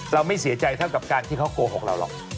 ไม่เสียใจเท่ากับการที่เขาโกหกเราหรอก